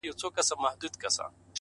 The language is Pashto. قربان د ډار له کيفيته چي رسوا يې کړم _